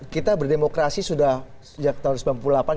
kita berdemokrasi sudah sejak tahun sembilan puluh delapan